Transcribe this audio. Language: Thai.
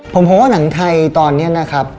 ผมมองว่าหนังไทยตอนนี้นะครับ